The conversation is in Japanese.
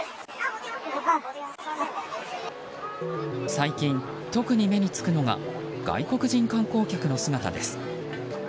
最近、特に目につくのが外国人観光客の姿です。